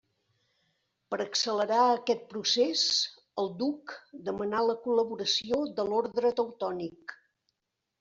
Per accelerar aquest procés el duc demanà la col·laboració de l'Orde Teutònic.